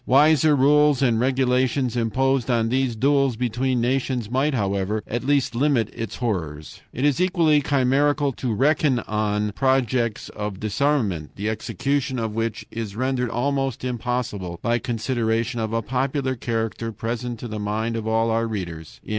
Wiser rules and regulations imposed on these duels between nations might, however, at least limit its horrors. "It is equally chimerical to reckon on projects of disarmament, the execution of which is rendered almost impossible by considerations of a popular character present to the mind of all our readers.